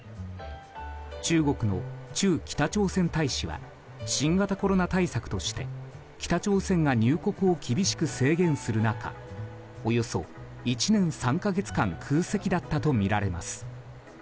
中国の駐北朝鮮大使は新型コロナ対策として北朝鮮が入国を厳しく制限する中およそ１年３か月間空席だったとみられます。